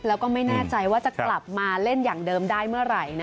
แล้วก็ไม่แน่ใจว่าจะกลับมาเล่นอย่างเดิมได้เมื่อไหร่